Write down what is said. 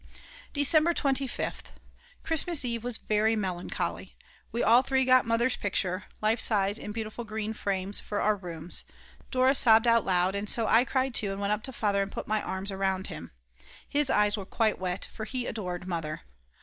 December 25th. Christmas Eve was very melancholy. We all three got Mother's picture, life size in beautiful green frames, for our rooms. Dora sobbed out loud, and so I cried too and went up to Father and put my arms around him. His eyes were quite wet; for he adored Mother.